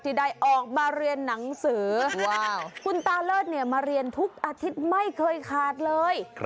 ที่ได้ออกมาเรียนหนังสือคุณตาเลิศมาเรียนทุกอาทิตย์ไม่เคยขาดเลย